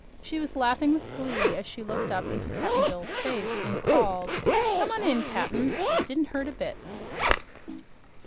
She was laughing with glee as she looked up into Cap'n Bill's face and called, "Come on in, Cap'n! It didn't hurt a bit!"